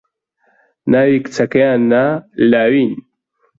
ناوی کچەکەیان نا لاوێن